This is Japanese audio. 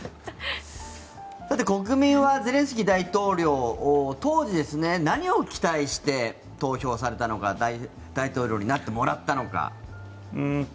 さて、国民はゼレンスキー大統領に当時、何を期待して投票されたのか大統領になってもらったのか。